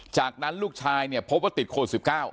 จากนั้นลูกชายเนี่ยพบว่าติดโควิด๑๙